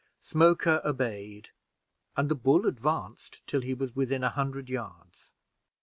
Smoker obeyed, and the bull advanced till he was within a hundred yards.